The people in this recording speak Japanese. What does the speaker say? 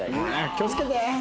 気をつけて！